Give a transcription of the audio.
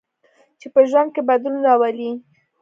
چې په ژوند کې بدلون راولي.